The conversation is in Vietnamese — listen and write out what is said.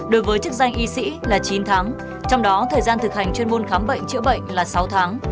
đối với chức danh y sĩ là chín tháng trong đó thời gian thực hành chuyên môn khám bệnh chữa bệnh là sáu tháng